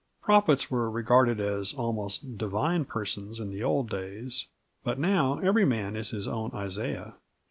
Prophets were regarded as almost divine persons in the old days, but now every man is his own Isaiah.